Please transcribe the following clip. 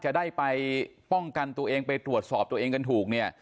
จะได้ไปป้องกันตัวเองไปตรวจสอบตัวเองกันถูกเนี่ย